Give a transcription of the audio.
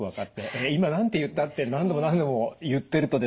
「えっ今何て言った？」って何度も何度も言ってるとですね